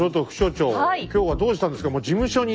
今日はどうしたんですか？